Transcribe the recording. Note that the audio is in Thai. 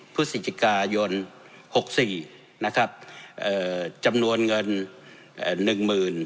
พฤศจิกายนหกสี่นะครับเอ่อจำนวนเงินหนึ่งหมื่น